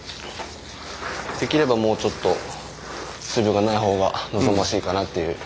できればもうちょっと水分がない方が望ましいかなっていう。